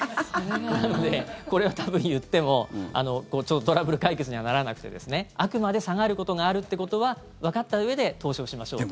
なので、これは多分、言ってもトラブル解決にはならなくてあくまで下がることがあるってことはわかったうえで投資をしましょうと。